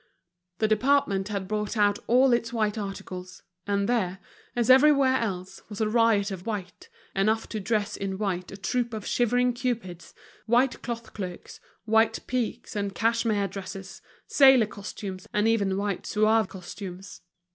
The department had brought out all its white articles, and there, as everywhere else, was a riot of white, enough to dress in white a troop of shivering cupids, white cloth cloaks, white piques and cashmere dresses, sailor costumes, and even white Zouave costumes.